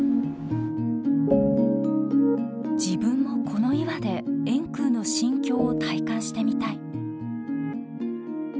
自分もこの岩で円空の心境を体感してみたい。